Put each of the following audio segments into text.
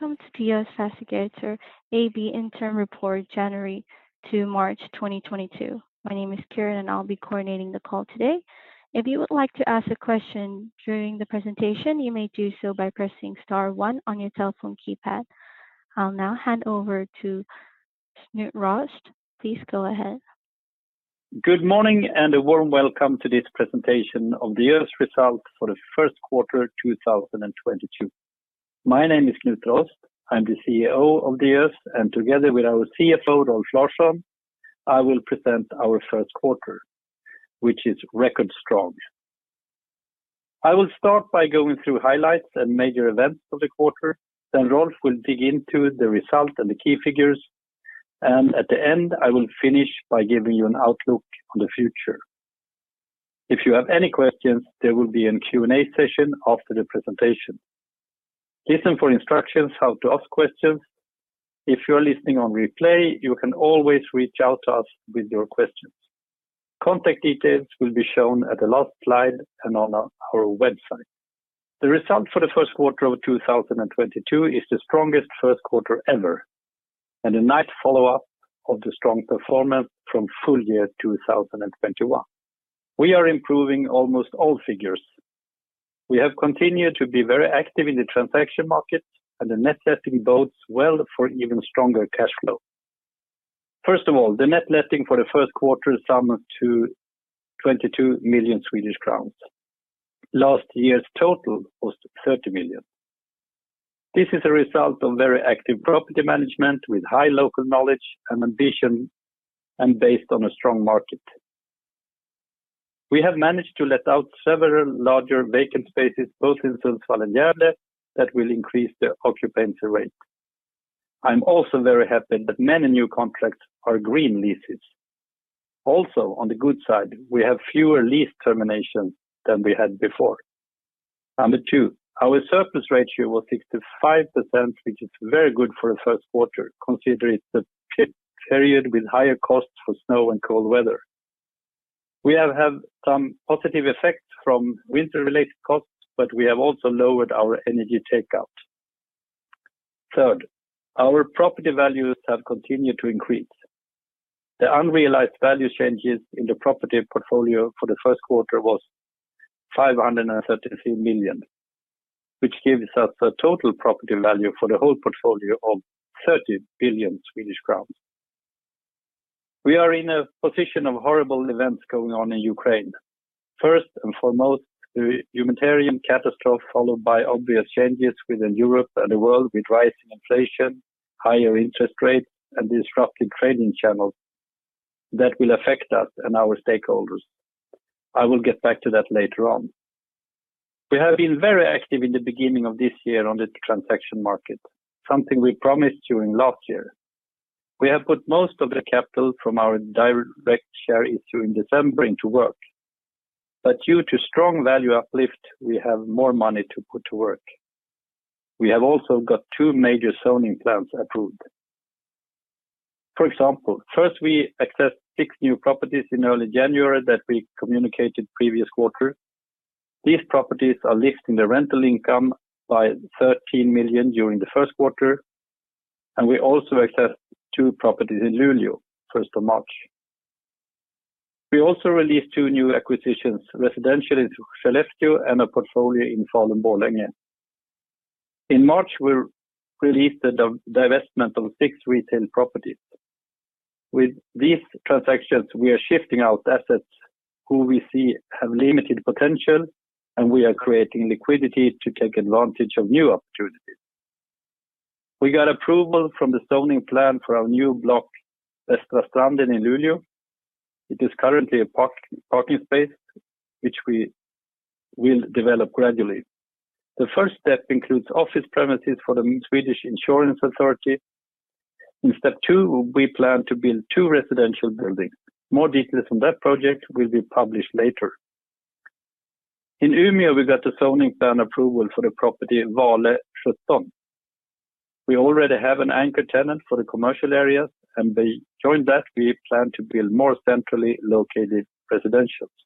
Welcome to Diös Fastigheter AB Interim Report January to March 2022. My name is Karen, and I'll be coordinating the call today. If you would like to ask a question during the presentation, you may do so by pressing star one on your telephone keypad. I'll now hand over to Knut Rost. Please go ahead. Good morning and a warm welcome to this presentation of the Diös result for the first quarter of 2022. My name is Knut Rost. I'm the CEO of Diös, and together with our CFO, Rolf Larsson, I will present our first quarter, which is record strong. I will start by going through highlights and major events of the quarter. Then Rolf will dig into the result and the key figures, and at the end, I will finish by giving you an outlook on the future. If you have any questions, there will be a Q&A session after the presentation. Listen for instructions how to ask questions. If you're listening on replay, you can always reach out to us with your questions. Contact details will be shown at the last slide and on our website. The result for the first quarter of 2022 is the strongest first quarter ever, and a nice follow-up of the strong performance from full year 2021. We are improving almost all figures. We have continued to be very active in the transaction market and the net letting bodes well for even stronger cash flow. First of all, the net letting for the first quarter summed to 22 million Swedish crowns. Last year's total was 30 million. This is a result of very active property management with high local knowledge and ambition, and based on a strong market. We have managed to let out several larger vacant spaces, both in Sundsvall and Gävle that will increase the occupancy rate. I'm also very happy that many new contracts are green leases. Also, on the good side, we have fewer lease terminations than we had before. Number two, our surplus ratio was 65%, which is very good for a first quarter considering the period with higher costs for snow and cold weather. We have had some positive effect from winter-related costs, but we have also lowered our energy takeout. Third, our property values have continued to increase. The unrealized value changes in the property portfolio for the first quarter was 533 million, which gives us a total property value for the whole portfolio of 30 billion Swedish crowns. We are in a position of horrible events going on in Ukraine. First and foremost, the humanitarian catastrophe followed by obvious changes within Europe and the world with rising inflation, higher interest rates, and disrupted trading channels that will affect us and our stakeholders. I will get back to that later on. We have been very active in the beginning of this year on the transaction market, something we promised you in last year. We have put most of the capital from our direct share issue in December into work. Due to strong value uplift, we have more money to put to work. We have also got two major zoning plans approved. For example, first, we acquired six new properties in early January that we communicated previous quarter. These properties are lifting the rental income by 13 million during the first quarter, and we also acquired two properties in Luleå first of March. We also released two new acquisitions, residential in Skellefteå and a portfolio in Falun Borlänge. In March, we released the divestment of six retail properties. With these transactions, we are shifting out assets who we see have limited potential, and we are creating liquidity to take advantage of new opportunities. We got approval from the zoning plan for our new block, Västra Stranden in Luleå. It is currently a park and parking space, which we will develop gradually. The first step includes office premises for Försäkringskassan. In step two, we plan to build two residential buildings. More details on that project will be published later. In Umeå, we got the zoning plan approval for the property Vale 17. We already have an anchor tenant for the commercial areas, and beyond that we plan to build more centrally located residentials.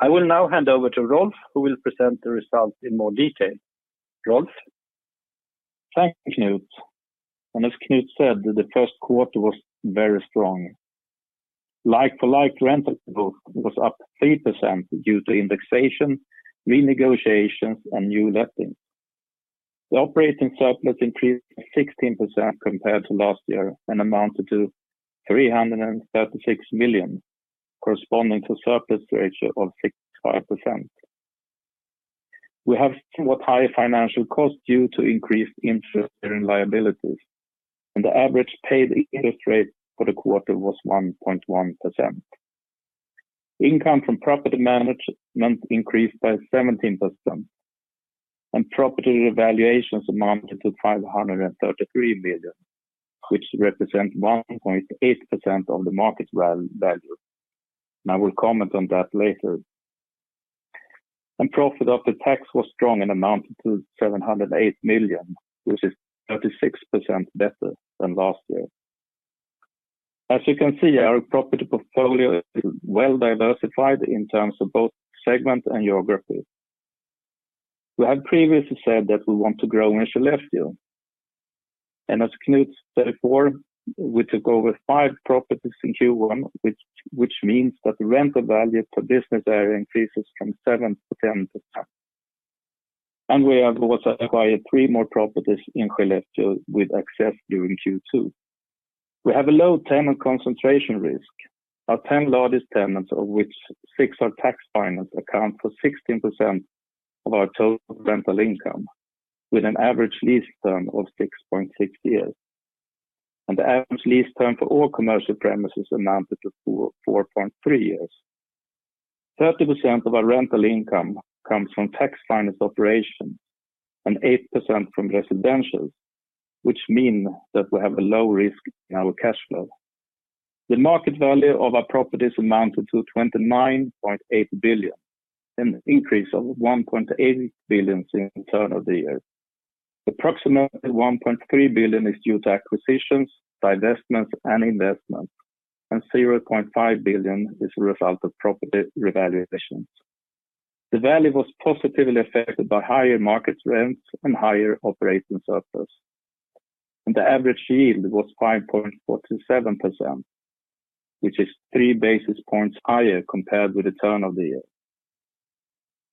I will now hand over to Rolf, who will present the results in more detail. Rolf. Thank you, Knut. As Knut said, the first quarter was very strong. Like-for-like rental growth was up 3% due to indexation, renegotiations, and new lettings. The operating surplus increased 16% compared to last year and amounted to 336 million, corresponding to surplus ratio of 65%. We have somewhat higher financial costs due to increased interest-bearing liabilities, and the average paid interest rate for the quarter was 1.1%. Income from property management increased by 17% and property valuations amounted to 533 million, which represent 1.8% of the market value. I will comment on that later. Profit after tax was strong and amounted to 708 million, which is 36% better than last year. As you can see, our property portfolio is well-diversified in terms of both segment and geography. We have previously said that we want to grow in Skellefteå. As Knut said before, we took over five properties in Q1, which means that the rental value per business area increases from 7%-10%. We have also acquired three more properties in Skellefteå with access during Q2. We have a low tenant concentration risk. Our 10 largest tenants, of which six are tax finance, account for 16% of our total rental income with an average lease term of 6.6 years. The average lease term for all commercial premises amounted to 4.3 years. 30% of our rental income comes from tax-financed operations and 8% from residentials which means that we have a low risk in our cash flow. The market value of our properties amounted to 29.8 billion, an increase of 1.8 billion since turn of the year. Approximately 1.3 billion is due to acquisitions, divestments, and investments, and 0.5 billion is a result of property revaluations. The value was positively affected by higher market rents and higher operating surplus. The average yield was 5.47% which is 3 basis points higher compared with the turn of the year.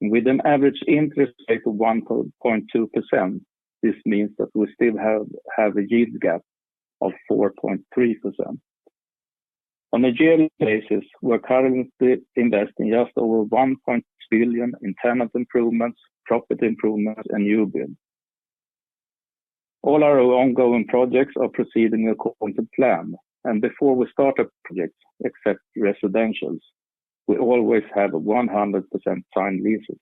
With an average interest rate of 1.2%, this means that we still have a yield gap of 4.3%. On a yearly basis, we're currently investing just over 1.6 billion in tenant improvements, property improvements, and new build. All our ongoing projects are proceeding according to plan. Before we start our projects except residentials, we always have 100% signed leases.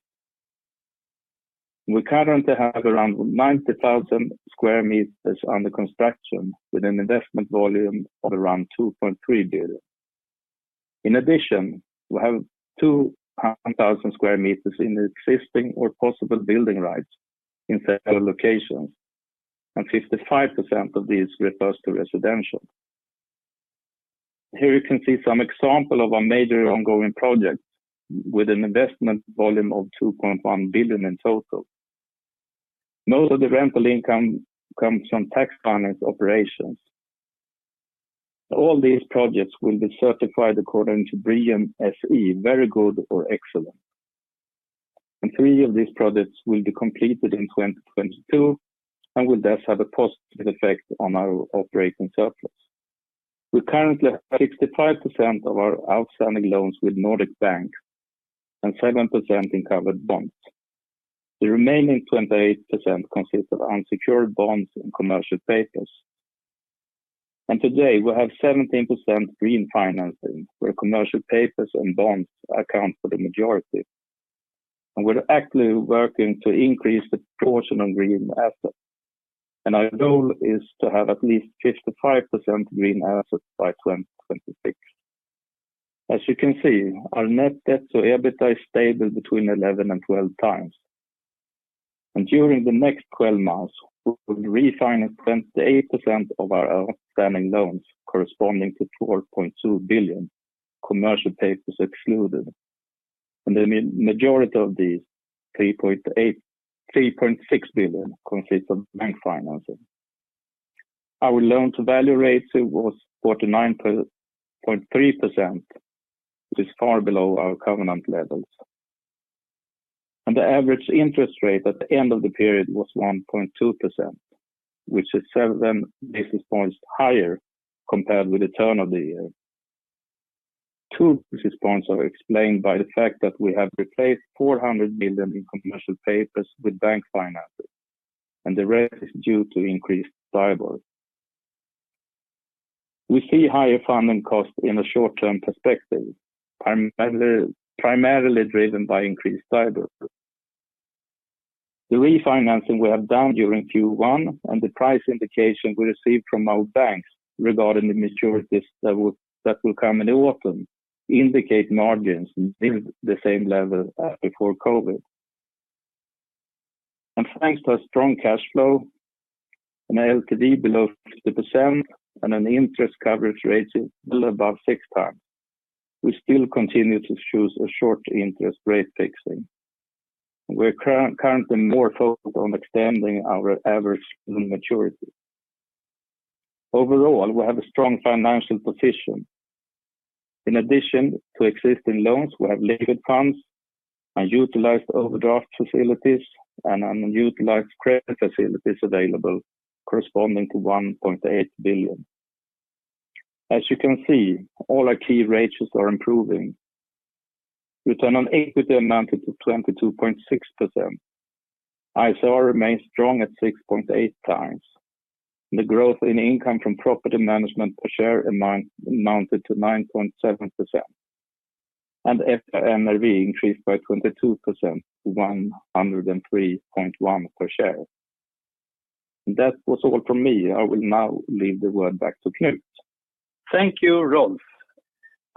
We currently have around 90,000 square meters under construction with an investment volume of around 2.3 billion. In addition, we have 200,000 square meters in existing or possible building rights in several locations, and 55% of these refers to residential. Here you can see some example of our major ongoing projects with an investment volume of 2.1 billion in total. Most of the rental income comes from tax finance operations. All these projects will be certified according to BREEAM-SE Very Good or Excellent. Three of these projects will be completed in 2022, and will thus have a positive effect on our operating surplus. We currently have 65% of our outstanding loans with Nordic banks and 7% in covered bonds. The remaining 28% consists of unsecured bonds and commercial papers. Today, we have 17% green financing, where commercial papers and bonds account for the majority. We're actively working to increase the portion of green assets. Our goal is to have at least 55% green assets by 2026. As you can see, our net debt to EBITDA is stable between 11x and 12x. During the next 12 months, we'll refinance 28% of our outstanding loans corresponding to 12.2 billion, commercial papers excluded. The majority of these, 3.6 billion, consists of bank financing. Our loan-to-value ratio was 49.3% which is far below our covenant levels. The average interest rate at the end of the period was 1.2% which is 7 basis points higher compared with the turn of the year. 2 basis points are explained by the fact that we have replaced 400 million in commercial paper with bank financing, and the rest is due to increased STIBOR. We see higher funding costs in a short-term perspective primarily driven by increased STIBOR. The refinancing we have done during Q1 and the price indication we received from our banks regarding the maturities that will come in the autumn indicate margins near the same level as before COVID. Thanks to a strong cash flow and LTV below 50% and an interest coverage ratio little above 6 times, we still continue to choose a short interest rate fixing. We're currently more focused on extending our average loan maturity. Overall, we have a strong financial position. In addition to existing loans, we have liquid funds, unutilized overdraft facilities, and unutilized credit facilities available corresponding to 1.8 billion. As you can see, all our key ratios are improving. Return on equity amounted to 22.6%. ICR remains strong at 6.8x. The growth in income from property management per share amounted to 9.7%. FMRV increased by 22% to 103.1 per share. That was all from me. I will now leave the word back to Knut. Thank you, Rolf.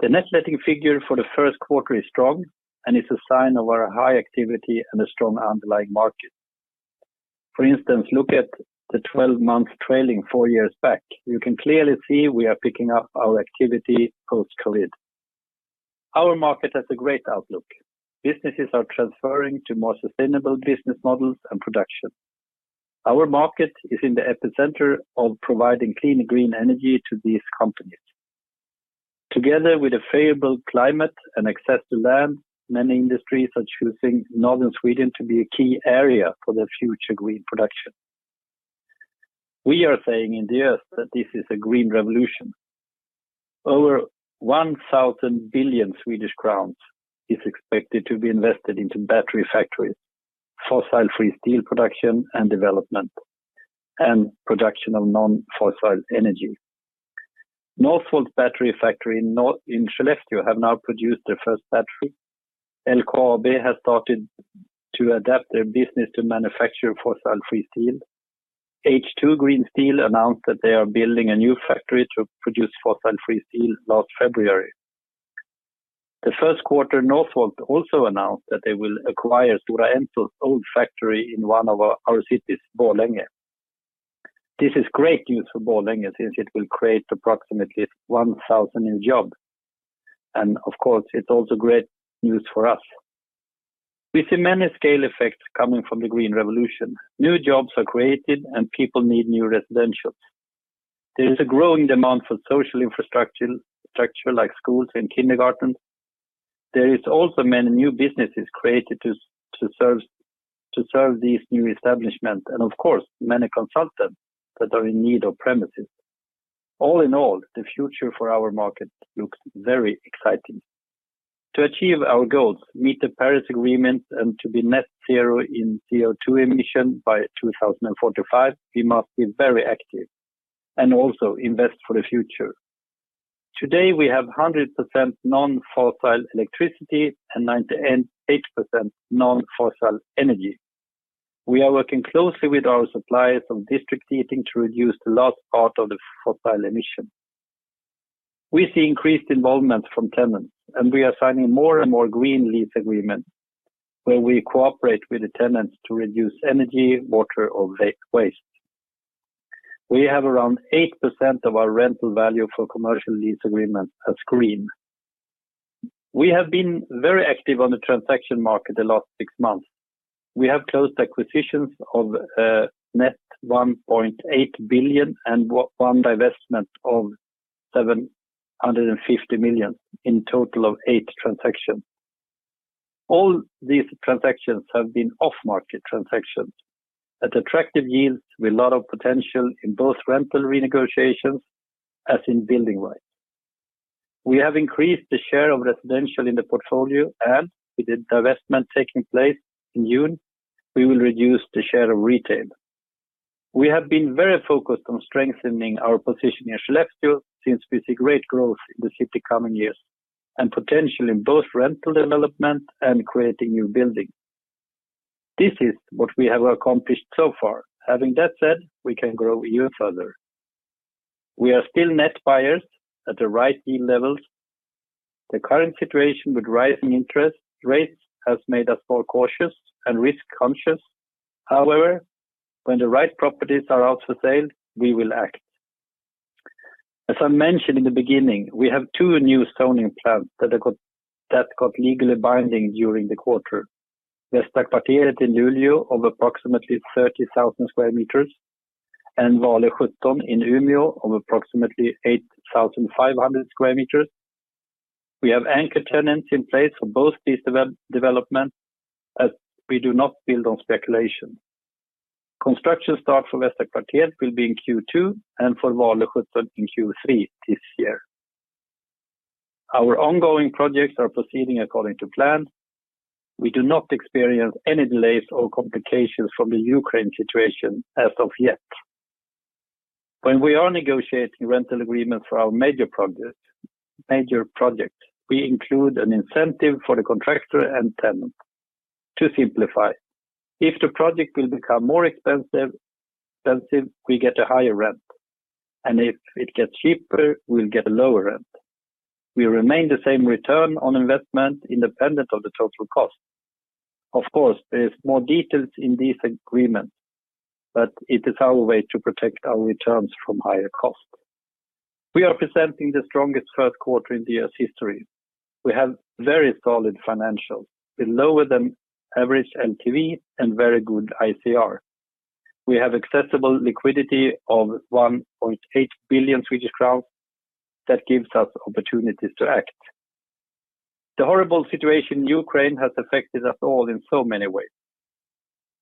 The net letting figure for the first quarter is strong and is a sign of our high activity and a strong underlying market. For instance, look at the 12-month trailing four years back. You can clearly see we are picking up our activity post-COVID. Our market has a great outlook. Businesses are transferring to more sustainable business models and production. Our market is in the epicenter of providing clean and green energy to these companies. Together with a favorable climate and access to land, many industries are choosing Northern Sweden to be a key area for their future green production. We are saying in Diös that this is a green revolution. Over 1,000 billion Swedish crowns is expected to be invested into battery factories, fossil-free steel production and development, and production of non-fossil energy. Northvolt battery factory in Skellefteå have now produced their first battery. LKAB has started to adapt their business to manufacture fossil-free steel. H2 Green Steel announced that they are building a new factory to produce fossil-free steel last February. The first quarter, Northvolt also announced that they will acquire Stora Enso's old factory in one of our cities, Borlänge. This is great news for Borlänge since it will create approximately 1,000 new jobs, and of course, it's also great news for us. We see many scale effects coming from the green revolution. New jobs are created and people need new residentials. There is a growing demand for social infrastructure like schools and kindergartens. There is also many new businesses created to serve these new establishments and, of course, many consultants that are in need of premises. All in all, the future for our market looks very exciting. To achieve our goals, meet the Paris Agreement, and to be net zero in CO2 emission by 2045, we must be very active and also invest for the future. Today, we have 100% non-fossil electricity and 98% non-fossil energy. We are working closely with our suppliers of district heating to reduce the last part of the fossil emission. We see increased involvement from tenants, and we are signing more and more green lease agreements where we cooperate with the tenants to reduce energy, water, or waste. We have around 8% of our rental value for commercial lease agreements as green. We have been very active on the transaction market the last six months. We have closed acquisitions of net 1.8 billion and one divestment of 750 million in total of eight transactions. All these transactions have been off-market transactions at attractive yields with a lot of potential in both rental renegotiations as in building rights. We have increased the share of residential in the portfolio, and with the divestment taking place in June, we will reduce the share of retail. We have been very focused on strengthening our position in Skellefteå since we see great growth in the city coming years and potential in both rental development and creating new buildings. This is what we have accomplished so far. Having that said, we can grow even further. We are still net buyers at the right yield levels. The current situation with rising interest rates has made us more cautious and risk-conscious. However, when the right properties are out for sale, we will act. As I mentioned in the beginning, we have two new zoning plans that got legally binding during the quarter. Västra Kvarteret in Luleå of approximately 30,000 square meters and Vale 17 in Umeå of approximately 8,500 square meters. We have anchor tenants in place for both these development as we do not build on speculation. Construction start for Västra Kvarteret will be in Q2, and for Vale 17 in Q3 this year. Our ongoing projects are proceeding according to plan. We do not experience any delays or complications from the Ukraine situation as of yet. When we are negotiating rental agreements for our major project, we include an incentive for the contractor and tenant. To simplify, if the project will become more expensive, we get a higher rent, and if it gets cheaper, we'll get a lower rent. We remain the same return on investment independent of the total cost. Of course, there's more details in this agreement, but it is our way to protect our returns from higher costs. We are presenting the strongest third quarter in Diös history. We have very solid financials with lower than average LTV and very good ICR. We have accessible liquidity of 1.8 billion Swedish crowns that gives us opportunities to act. The horrible situation in Ukraine has affected us all in so many ways.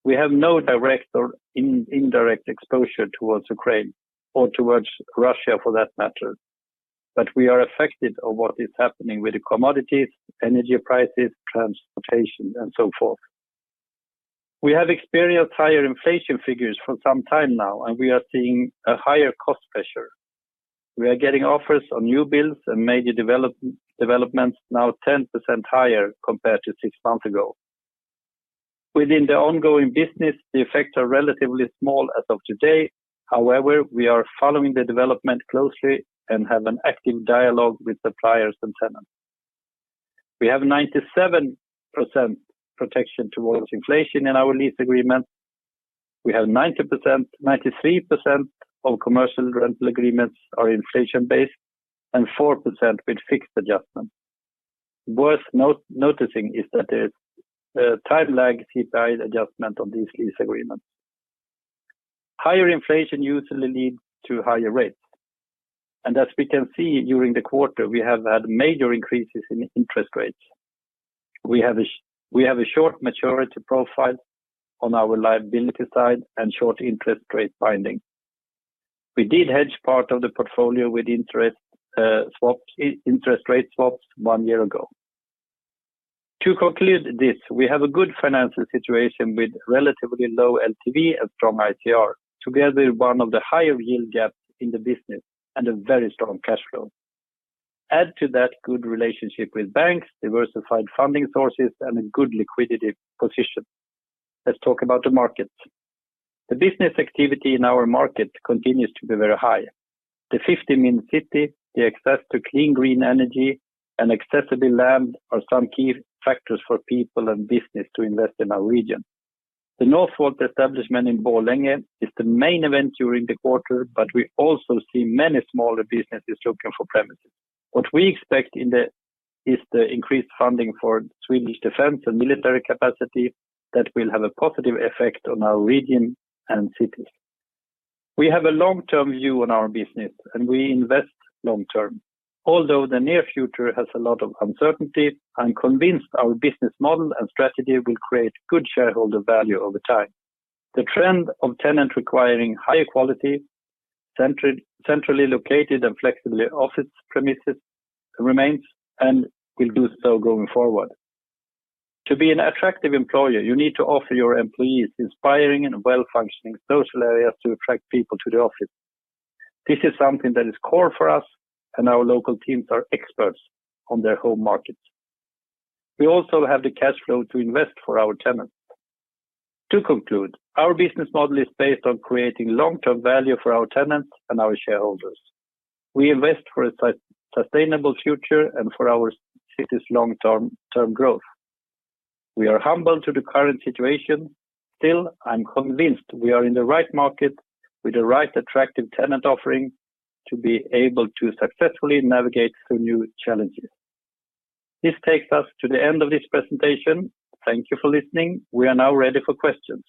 We have no direct or indirect exposure towards Ukraine or towards Russia for that matter. We are affected by what is happening with the commodities, energy prices, transportation, and so forth. We have experienced higher inflation figures for some time now, and we are seeing a higher cost pressure. We are getting offers on new builds and major developments now 10% higher compared to six months ago. Within the ongoing business, the effects are relatively small as of today. However, we are following the development closely and have an active dialogue with suppliers and tenants. We have 97% protection towards inflation in our lease agreement. We have 90%, 93% of commercial rental agreements are inflation-based and 4% with fixed adjustment. Worth noticing is that there's a time lag CPI adjustment on these lease agreements. Higher inflation usually lead to higher rates, and as we can see during the quarter, we have had major increases in interest rates. We have a short maturity profile on our liability side and short interest rate binding. We did hedge part of the portfolio with interest rate swaps one year ago. To conclude this, we have a good financial situation with relatively low LTV and strong ICR. Together, one of the higher yield gaps in the business and a very strong cash flow. Add to that good relationship with banks, diversified funding sources, and a good liquidity position. Let's talk about the markets. The business activity in our market continues to be very high. The 15 main cities, the access to clean green energy, and accessible land are some key factors for people and businesses to invest in our region. The Northvolt establishment in Borlänge is the main event during the quarter, but we also see many smaller businesses looking for premises. What we expect is the increased funding for Swedish defense and military capacity that will have a positive effect on our region and cities. We have a long-term view on our business, and we invest long term. Although the near future has a lot of uncertainty, I'm convinced our business model and strategy will create good shareholder value over time. The trend of tenants requiring higher quality, centered, centrally located, and flexible office premises remains and will do so going forward. To be an attractive employer, you need to offer your employees inspiring and well-functioning social areas to attract people to the office. This is something that is core for us, and our local teams are experts on their home markets. We also have the cash flow to invest for our tenants. To conclude, our business model is based on creating long-term value for our tenants and our shareholders. We invest for a sustainable future and for our city's long-term growth. We are humble to the current situation. Still, I'm convinced we are in the right market with the right attractive tenant offering to be able to successfully navigate through new challenges. This takes us to the end of this presentation. Thank you for listening. We are now ready for questions.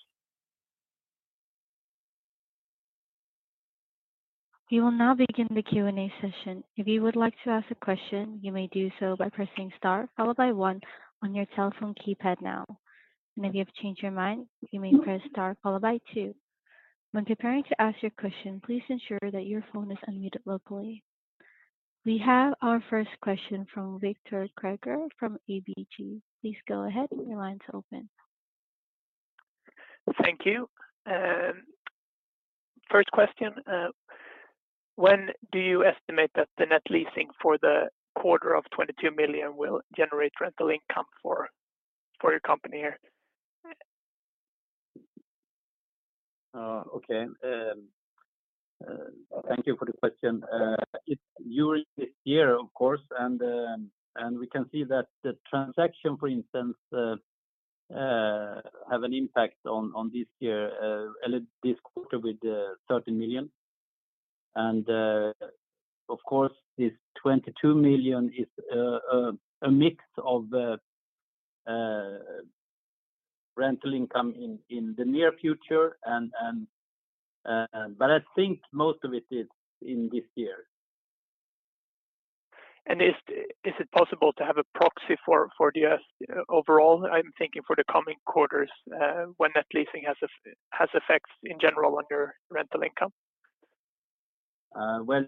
We will now begin the Q&A session. If you would like to ask a question, you may do so by pressing star followed by one on your telephone keypad now. If you have changed your mind, you may press star followed by two. When preparing to ask your question, please ensure that your phone is unmuted locally. We have our first question from Victor Krüeger from ABG. Please go ahead. Your line is open. Thank you. First question, when do you estimate that the net letting for the quarter of 22 million will generate rental income for your company? Okay. Thank you for the question. It's during this year, of course, and we can see that the transaction, for instance, have an impact on this year, early this quarter with 13 million. Of course, this 22 million is a mix of the rental income in the near future. I think most of it is in this year. Is it possible to have a proxy for the overall? I'm thinking for the coming quarters, when net letting has effects in general on your rental income. Well,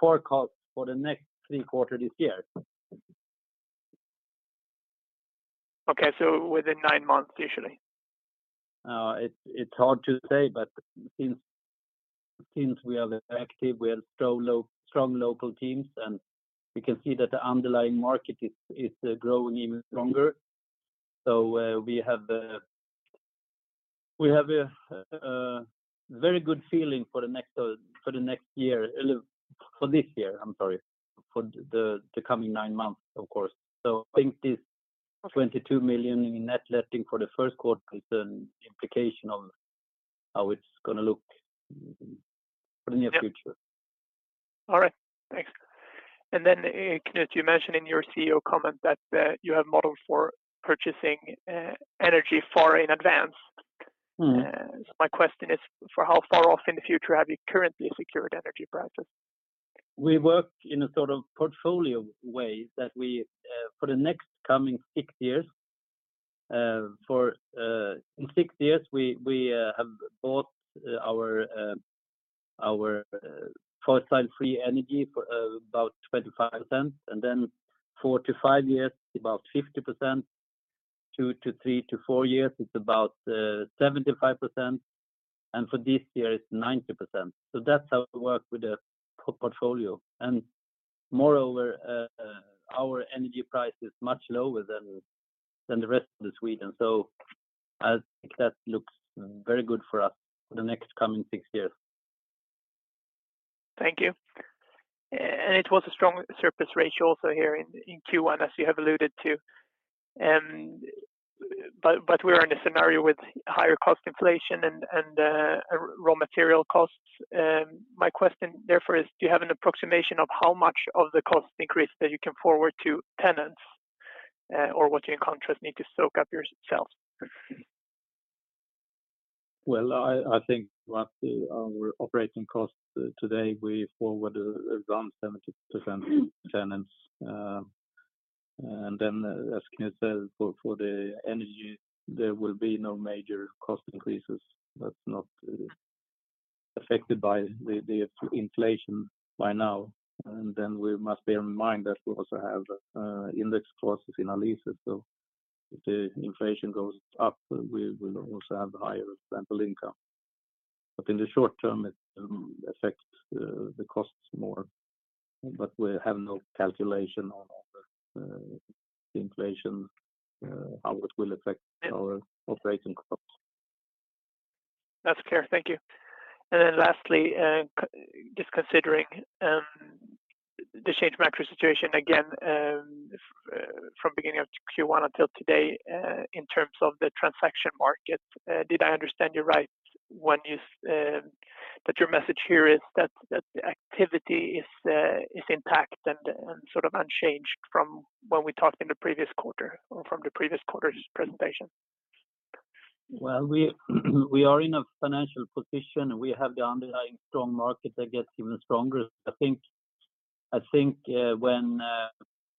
forecast for the next three quarters this year. Okay. Within nine months usually. It's hard to say, but since we are active, we have strong local teams, and we can see that the underlying market is growing even stronger. We have a very good feeling for the next year. For this year, I'm sorry, for the coming nine months, of course. I think this. Okay 22 million in net letting for the first quarter is an implication of how it's gonna look for the near future. Yeah. All right. Thanks. Knut Rost, you mentioned in your CEO comment that you have models for purchasing energy far in advance. My question is, for how far off in the future have you currently secured energy prices? We work in a sort of portfolio way for the next coming six years. In six years, we have bought our fossil-free energy for about 25%. four to five years, about 50%. two to four years, it's about 75%. For this year, it's 90%. That's how we work with the portfolio. Moreover, our energy price is much lower than the rest of Sweden. I think that looks very good for us for the next coming six years. Thank you. It was a strong surplus ratio also here in Q1 as you have alluded to. We are in a scenario with higher cost inflation and raw material costs. My question therefore is, do you have an approximation of how much of the cost increase that you can forward to tenants, or what you in contrast need to soak up yourselves? Well, I think of our operating costs today, we pass on around 70% to tenants. As Knut said, for the energy there will be no major cost increases. That's not affected by the inflation right now. We must bear in mind that we also have index clauses in our leases. If the inflation goes up, we will also have higher rental income. In the short term it affects the costs more. We have no calculation on how the inflation will affect our operating costs. That's clear. Thank you. Lastly, just considering the change of macro situation again, from beginning of Q1 until today, in terms of the transaction market, did I understand you right that your message here is that the activity is intact and sort of unchanged from when we talked in the previous quarter or from the previous quarter's presentation? Well, we are in a financial position. We have the underlying strong market that gets even stronger. I think when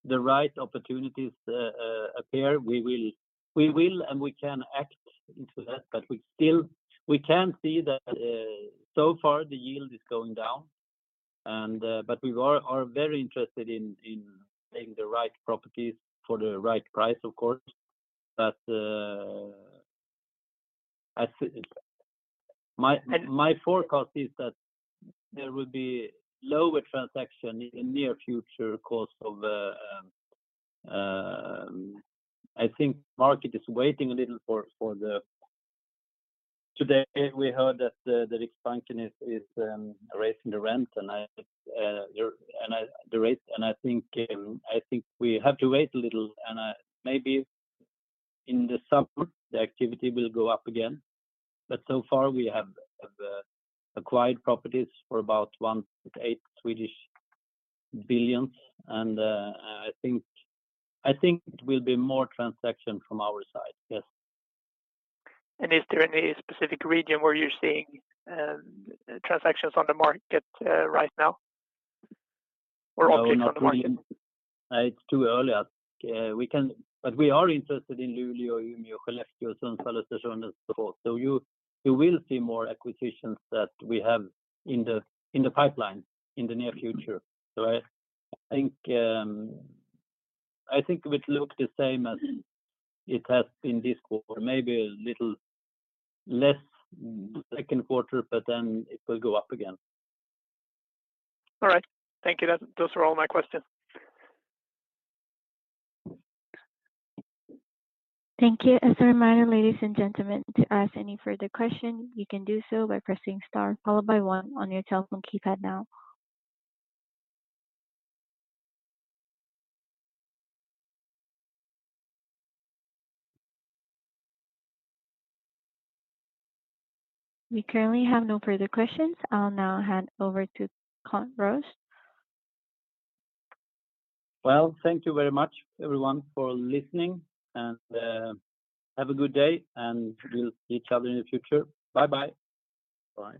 the right opportunities appear, we will and we can act on that. We still can see that so far the yield is going down, but we are very interested in buying the right properties for the right price, of course. My forecast is that there will be lower transactions in the near future because I think the market is waiting a little for the. Today we heard that Riksbanken is raising the rate. The rate, and I think we have to wait a little and maybe in the summer the activity will go up again. So far we have acquired properties for about 1 billion-8 billion, and I think it will be more transactions from our side. Yes. Is there any specific region where you're seeing transactions on the market right now or objects on the market? No, not region. It's too early. We are interested in Luleå, Umeå, Skellefteå, Sundsvall, Östersund and so forth. You will see more acquisitions that we have in the pipeline in the near future. I think it will look the same as it has in this quarter. Maybe a little less second quarter, but then it will go up again. All right. Thank you. Those are all my questions. Thank you. As a reminder, ladies and gentlemen, to ask any further question, you can do so by pressing star followed by one on your telephone keypad now. We currently have no further questions. I'll now hand over to Knut Rost. Well, thank you very much everyone for listening, and, have a good day, and we'll see each other in the future. Bye-bye. Bye.